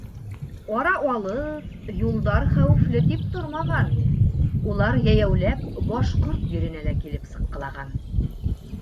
Ара алыҫ, юлдар хәүефле тип тормаған, улар йәйәүләп башҡорт еренә лә килеп сыҡҡылаған.